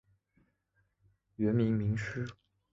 原名昌枢。